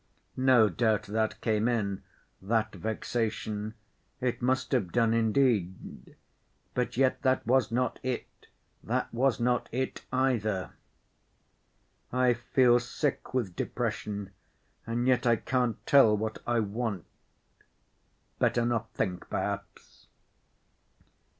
No doubt that came in, that vexation, it must have done indeed; but yet that was not it, that was not it either. "I feel sick with depression and yet I can't tell what I want. Better not think, perhaps."